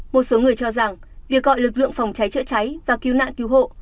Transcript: một số người cho rằng việc gọi lực lượng phòng cháy chữa cháy và cứu nạn cứu hộ